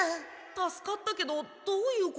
助かったけどどういうこと？